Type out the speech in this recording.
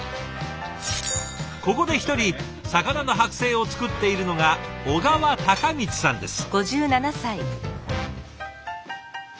ここで一人魚の剥製を作っているのが小川貴光さんです。